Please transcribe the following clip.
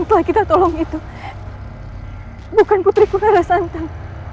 dia bukan putriku rara santam